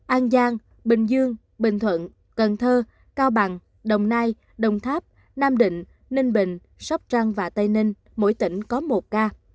an giang bình dương bình thuận cần thơ cao bằng đồng nai đồng tháp nam định ninh bình sóc trăng và tây ninh mỗi tỉnh có một ca